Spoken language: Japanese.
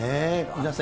皆さん